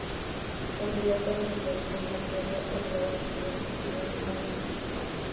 Candidato a Regidor por Santiago, agregado cultural de Chile en Rumanía y en España.